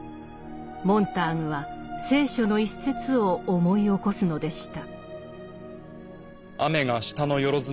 モンターグは聖書の一節を思い起こすのでした。